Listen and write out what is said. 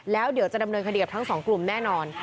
แล้วเดี๋ยวจะดำเนินคดีกับทั้งสองกลุ่มแน่นอน